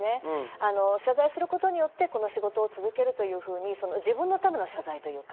謝罪することによって、この仕事を続けるというふうに、自分のための謝罪というか。